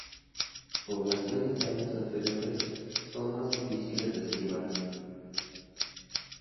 Poblaciones de años anteriores son más difíciles de estimar.